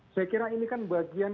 saya kira ini kan bagian